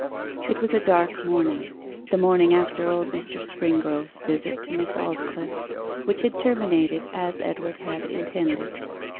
It was a dark morning, the morning after old Mr. Springrove's visit to Miss Aldclyffe, which had terminated as Edward had intended.